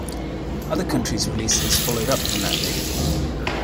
Other countries' releases followed up from that date.